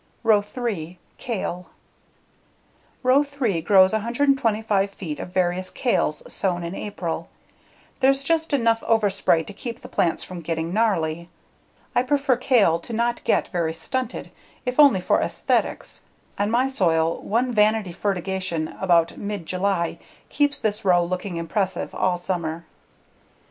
Row 3: Kale Row 3 grows 125 feet of various kales sown in April. There's just enough overspray to keep the plants from getting gnarly. I prefer kale to not get very stunted, if only for aesthetics: on my soil, one vanity fertigation about mid July keeps this row looking impressive all summer.